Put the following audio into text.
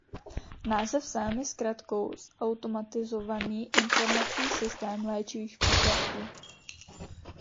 Název sám je zkratkou z Automatizovaný Informační Systém Léčivých Přípravků.